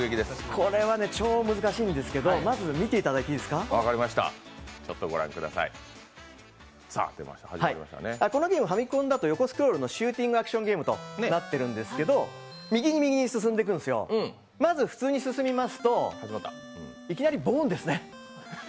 これは超難しいんですけど、まず見ていただいていいですかこのゲーム、ファミコンだと横スクロールのシューティングゲームなんですが右に右に進んで行くんでしょ、まず普通に進みますと、いきなりボンですね。